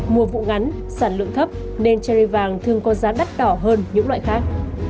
mùa vụ ngắn sản lượng thấp nên cherry vàng thường có giá đắt đỏ hơn những loại khác